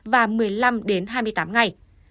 và một mươi năm đến hai mươi tám ngày